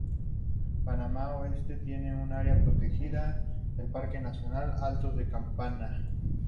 Panamá Oeste tiene un área protegida, el parque nacional Altos de Campana.